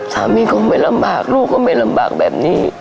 สามีก็ไม่ลำบากลูกก็ไม่ลำบากแบบนี้